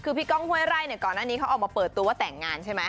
คือพี่ก้องหวยไรก่อนอันนี้เค้าออกมาเปิดตัวต่างงานใช่มั้ย